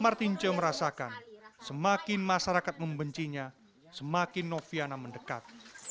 martinche merasakan semakin masyarakat membencinya semakin nofianakala mendekat